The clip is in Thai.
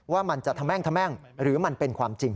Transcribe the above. ว่ามันจะทำแม่งหรือมันเป็นความจริง